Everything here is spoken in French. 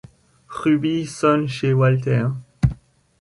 Hruby sonne chez Walter.